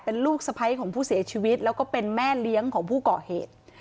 เป็นลูกสะพ้ายของผู้เสียชีวิตแล้วก็เป็นแม่เลี้ยงของผู้ก่อเหตุ